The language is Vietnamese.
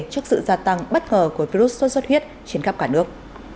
trước sự gia tăng bất ngờ của virus sốt xuất huyết trên khắp cả nước